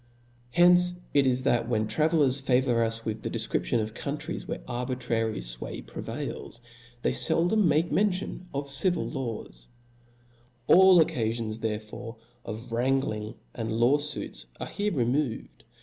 Hence it is, that when travellers favour us with the de fcription of counrries where arbitrary fway prevails, they feidom make mention of civil laws*. All occafions therefore of wrangling and Jaw fuits are here removed.